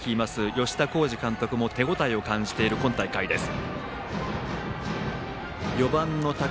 吉田洸二監督も手応えを感じている今大会です。